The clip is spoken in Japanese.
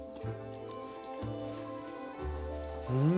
うん！